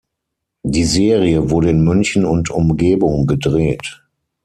Die Serie wurde in München und Umgebung gedreht.